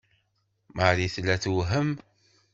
Marie tella tewhem.